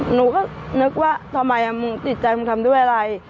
หนูก็นึกว่าทำไมมึงติดใจมึงทำด้วยอะไร